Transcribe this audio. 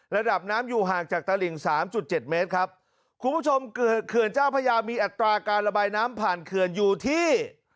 ระดับน้ำอยู่ห่างจากตลิ่งสามจุดเจ็ดเมตรครับคุณผู้ชมเขื่อนเจ้าพระยามีอัตราการระบายน้ำผ่านเขื่อนอยู่ที่